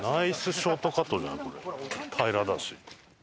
平らだし。